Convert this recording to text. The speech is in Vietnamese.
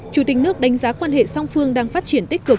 chủ tịch nước đánh giá quan hệ song phương đang phát triển tích cực